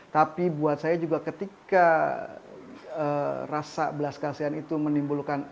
tapi buat saya juga ketika rasa belas kasihan itu menimbulkan